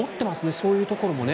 そういうところもね。